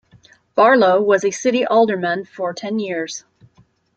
Barlow was a city alderman for ten years.